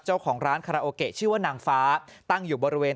เจ้าของร้านคาราโอเกะชื่อว่านางฟ้าตั้งอยู่บริเวณ